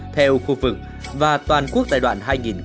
theo khu vực và toàn quốc giai đoạn hai nghìn một mươi sáu hai nghìn hai mươi